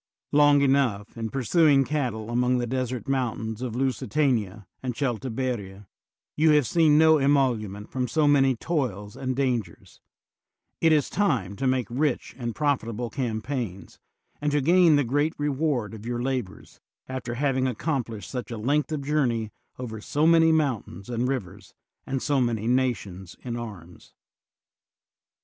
Long enough, in pursuing cattle among the desert mountains of Lusitania* and Celtiberia, you have seen no emolument from so many toils and dangers; it is time to make rich and prof itable campaigns, and to gain the great reward of your labors, after having accomplished such a length of journey over so many mountains and rivers, and so many nations in arms.